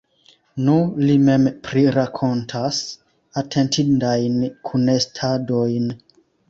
Nu, li mem prirakontas atentindajn kunestadojn.